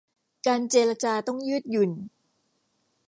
การเจรจาต้องยืดหยุ่น